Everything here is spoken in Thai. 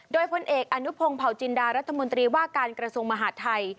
โดยพลเอกอนุพงศ์เผาจินดารัฐมนตรีว่าการกระทรวงมหาดไทย